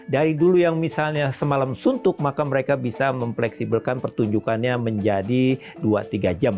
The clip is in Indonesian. dari dulu yang misalnya semalam suntuk maka mereka bisa mempleksibelkan pertunjukannya menjadi dua tiga jam